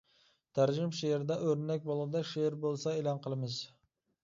تەرجىمە شېئىردا ئۆرنەك بولغۇدەك شېئىر بولسا ئېلان قىلىمىز.